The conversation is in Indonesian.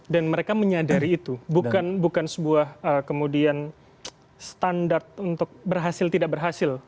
dan mereka menyadari itu bukan sebuah kemudian standar untuk berhasil tidak berhasil